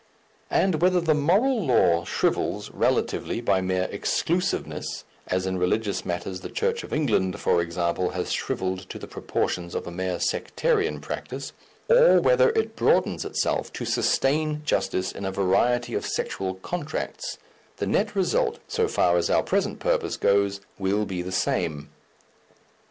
And whether the moral law shrivels relatively by mere exclusiveness as in religious matters the Church of England, for example, has shrivelled to the proportions of a mere sectarian practice or whether it broadens itself to sustain justice in a variety of sexual contracts, the nett result, so far as our present purpose goes, will be the same.